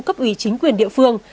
cấp ủy chính quyền địa phương